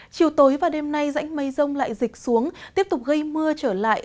chiều tối và đêm nay rãnh mây rông lại dịch xuống tiếp tục gây mưa trở lại